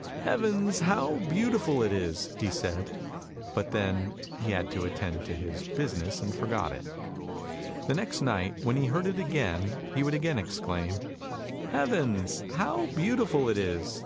" Heavens, how beautiful it is! " he said, but then he had to attend to his 127 128 ANDERSEN'S FAIRY TALES business and forgot it. The next night when he heard it again he would again exclaim, " Heavens, how beautiful it is!